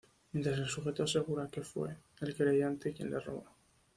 Mientras el Sujeto asegura que fue el querellante quien le robó.